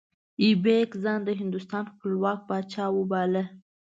ایبک ځان د هندوستان خپلواک پاچا وباله.